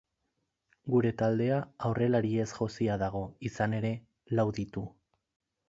Gure taldea aurrelariez josia dago, izan ere, lau ditu.